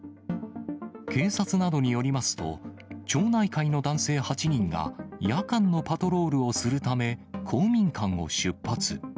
警察などによりますと、町内会の男性８人が、夜間のパトロールをするため、公民館を出発。